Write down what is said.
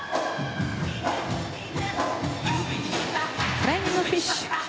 フライングフィッシュ。